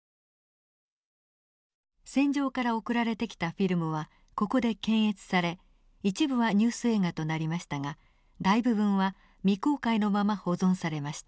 戦場から送られてきたフィルムはここで検閲され一部はニュース映画となりましたが大部分は未公開のまま保存されました。